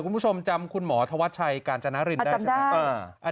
คุณผู้ชมจำคุณหมอทวัชชัยกาญจนารินจำได้